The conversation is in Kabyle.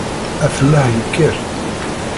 Afellaḥ yekker.